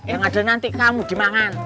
yang ada nanti kamu dimakan